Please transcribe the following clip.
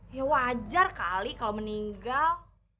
ya wajar kali kalau meninggal